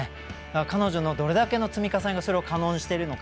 彼女のどれだけの積み重ねがそれを可能にさせているのか。